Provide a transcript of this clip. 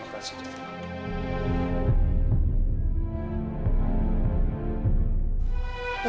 terima kasih jokowi